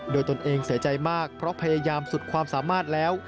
โดยตนเองเสียใจมากเพราะพยายามสุดความสามารถแล้ว